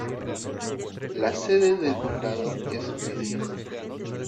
La sede del condado es Media.